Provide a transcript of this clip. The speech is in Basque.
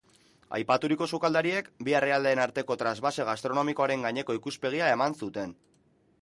Aipaturiko sukaldariek bi herrialdeen arteko trasbase gastronomikoaren gaineko ikuspegia eman zuten.